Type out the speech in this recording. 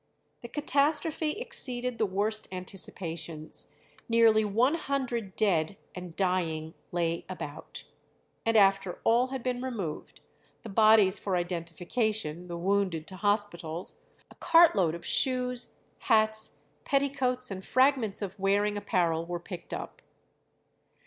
The catastrophe exceeded the worst anticipations. Nearly one hundred dead and dying lay about; and after all had been removed, the bodies for identification, the wounded to hospitals, a cart load of shoes, hats, petticoats, and fragments of wearing apparel were picked up.